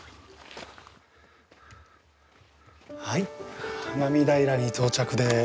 はい花見平に到着です。